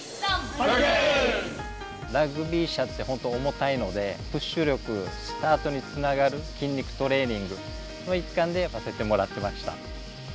ラグビー車って本当に重たいのでプッシュ力スタートにつながる筋肉トレーニングの一環でさせてもらっていました。